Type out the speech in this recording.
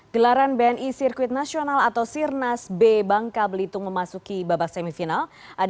gelaran bni sirkuit nasional atau sirnas b bangka belitung memasuki babak semifinal